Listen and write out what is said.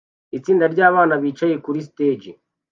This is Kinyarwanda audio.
Itsinda ryabana bicaye kuri stage